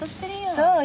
そうよ